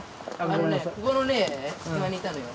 あのねここのね隙間にいたのよ。